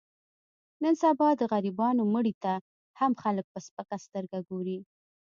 نن سبا د غریبانو مړي ته هم خلک په سپکه سترګه ګوري.